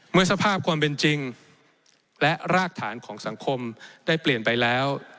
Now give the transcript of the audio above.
เมื่อสภาพความเป็นจริงและรากฐานของสังคมได้เปลี่ยนไปแล้ว